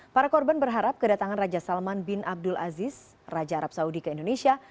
para korban berharap kedatangan raja salman bin abdul aziz raja arab saudi ke indonesia